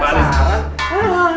aduh ayo pemasaran